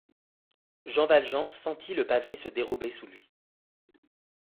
Jean Valjean sentit le pavé se dérober sous lui.